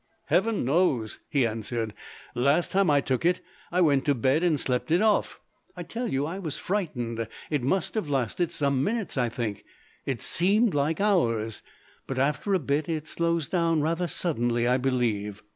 "Heaven knows!" he answered. "Last time I took it I went to bed and slept it off. I tell you, I was frightened. It must have lasted some minutes, I think it seemed like hours. But after a bit it slows down rather suddenly, I believe."